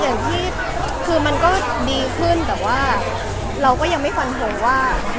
อย่างที่คือมันก็ดีขึ้นแต่ว่าเราก็ยังไม่ฟันทงว่า